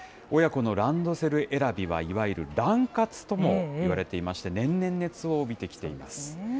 親子のランドセル選びは、いわゆるラン活ともいわれていまして、年々熱を帯びてきています。